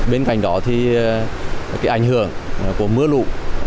bên cạnh đó thì cái ảnh hưởng của mưa lũ